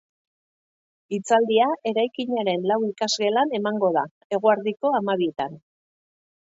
Hitzaldia eraikinaren lau ikasgelan emango da, eguerdiko hamabietan.